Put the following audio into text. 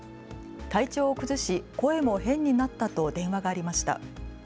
体調を崩し、声も変になったと電話がありました。